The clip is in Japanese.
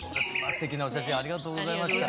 すてきなお写真ありがとうございました。